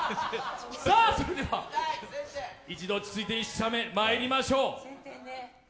それでは一度落ち着いて１射目、まいりましょう。